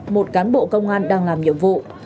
một cán bộ công an đang làm nhiệm vụ